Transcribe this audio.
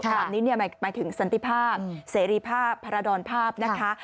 แบบนี้หมายถึงสันติภาพเสรีภาพพาราดรภาพนะคะ